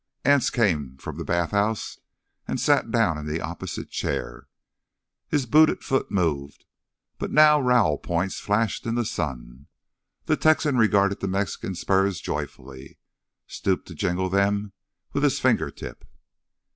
Anse came from the bathhouse and sat down in the opposite chair. His booted foot moved, but now rowel points flashed in the sun. The Texan regarded the Mexican spurs joyfully, stooped to jingle them with his finger tip.